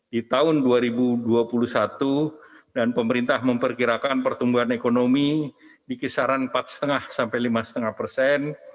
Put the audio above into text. di tahun dua ribu dua puluh satu dan pemerintah memperkirakan pertumbuhan ekonomi di kisaran empat lima sampai lima lima persen